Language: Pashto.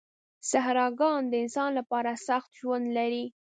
صحراګان د انسان لپاره سخت ژوند لري.